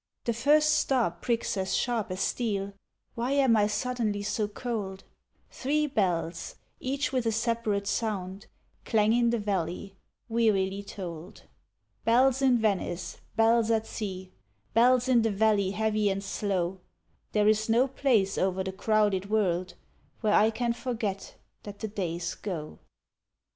The first star pricks as sharp as steel Why am I suddenly so cold? Three bells, each with a separate sound Clang in the valley, wearily tolled. Bells in Venice, bells at sea, Bells in the valley heavy and slow There is no place over the crowded world Where I can forget that the days go.